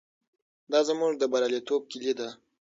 دا زموږ د بریالیتوب کیلي ده.